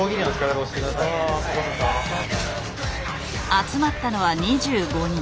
集まったのは２５人。